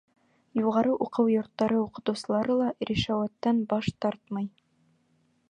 Юғары уҡыу йорттары уҡытыусылары ла ришүәттән баш тартмай.